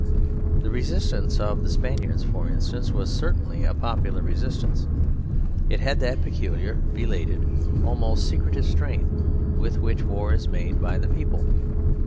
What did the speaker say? The resistance of the Spaniards, for instance, was certainly a popular resistance. It had that peculiar, belated, almost secretive strength with which war is made by the people.